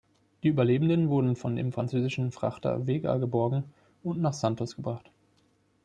Die Überlebenden wurden von dem französischen Frachter "Vega" geborgen und nach Santos gebracht.